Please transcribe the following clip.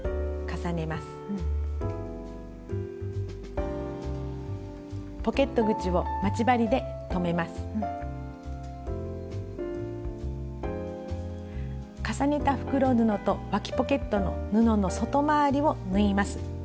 重ねた袋布とわきポケットの布の外回りを縫います。